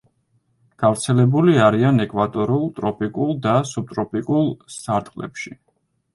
გავრცელებული არიან ეკვატორულ, ტროპიკულ და სუბტროპიკულ სარტყლებში.